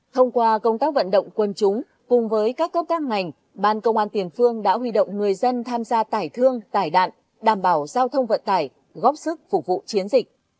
thông qua công tác vận động quân chúng cùng với các cấp các ngành ban công an tiền phương đã huy động người dân tham gia tải thương tải đạn đảm bảo giao thông vận tải góp sức phục vụ chiến dịch